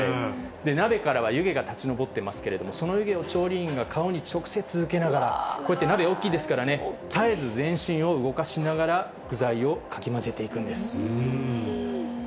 鍋からは湯気が立ち上ってますけれども、その湯気を調理員が顔に直接受けながら、こうやって、鍋大きいですからね、絶えず全身を動かしながら、具材をかき混ぜていくんです。